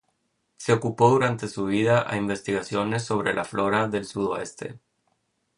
Se ocupó durante su vida a investigaciones sobre la flora del Sudoeste.